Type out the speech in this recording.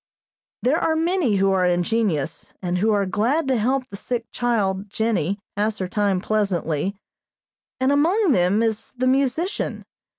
There are many who are ingenious, and who are glad to help the sick child, Jennie, pass her time pleasantly, and among them is the musician.